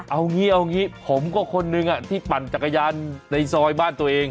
เอางี้เอางี้ผมก็คนนึงที่ปั่นจักรยานในซอยบ้านตัวเอง